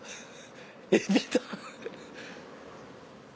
エビだ！